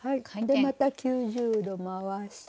でまた９０度回して。